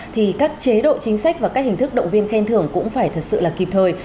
thì các chế độ chính sách và các hình thức động viên khen thưởng cũng phải thật sự là kịp thời